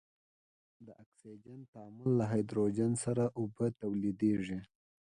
د اکسجن تعامل له هایدروجن سره اوبه تولیدیږي.